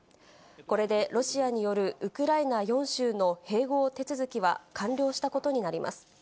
これでロシアによるウクライナ４州の併合手続きは完了したことになります。